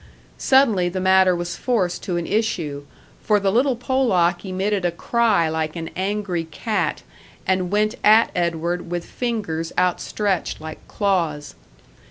Suddenly the matter was forced to an issue, for the little Polack emitted a cry like an angry cat, and went at Edward with fingers outstretched like claws.